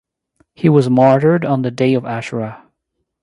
He was martyred on the Day of Ashura.